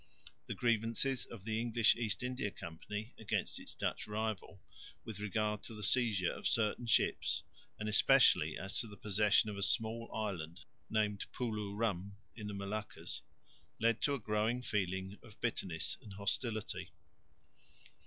The grievances of the English East India Company against its Dutch rival with regard to the seizure of certain ships and especially as to the possession of a small island named Poeloe Rum in the Moluccas led to a growing feeling of bitterness and hostility.